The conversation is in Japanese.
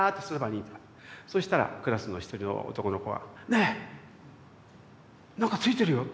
そしたらクラスの一人の男の子が「ねえ何かついてるよ」。